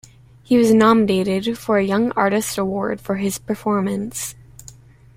He was nominated for a Young Artist Award for his performance.